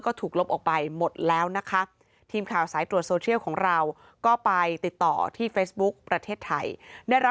ก็ถูกลบออกไปหมดแล้วนะคะ